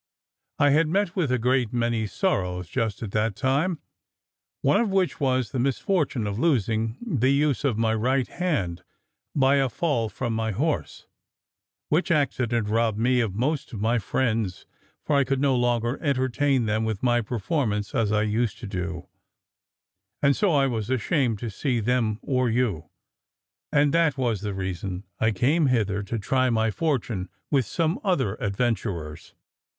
I had met with a great many sorrows just at that time; one of which was, the misfortune of losing the use of my right hand by a fall from my horse, which accident robbed me of most of my friends; for I could no longer entertain them with my performance as I used to do, and so I was ashamed to see them or you; and that was the reason I came hither to try my fortune with some other adventurers.